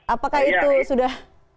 apakah itu sudah